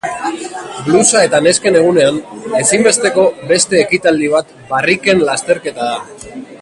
Blusa eta nesken egunean, ezinbesteko beste ekitaldi bat barriken lasterketa da.